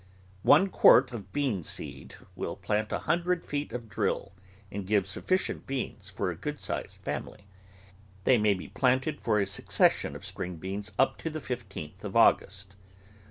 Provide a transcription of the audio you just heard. One quart of bean seed will plant a hundred feet of drill and give sufficient beans for a good sized family. They may be planted for a succes sion of string beans up to the fifteenth of August.